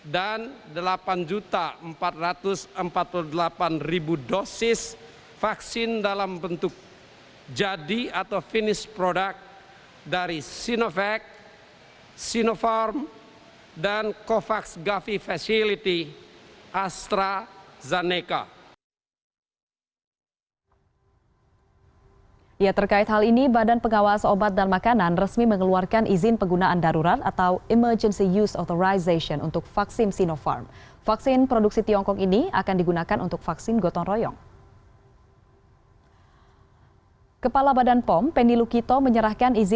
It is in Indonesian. dan delapan empat ratus empat puluh delapan dosis vaksin dalam bentuk jadi atau finish product dari sinovac sinopharm dan covax gavi facility astrazeneca